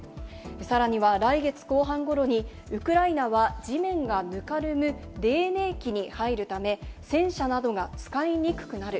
さらには、来月後半ごろに、ウクライナは地面がぬかるむ泥ねい期に入るため、戦車などが使いにくくなる。